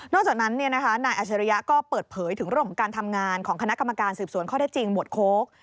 จากนั้นนายอัชริยะก็เปิดเผยถึงเรื่องของการทำงานของคณะกรรมการสืบสวนข้อได้จริงหมวดโค้ก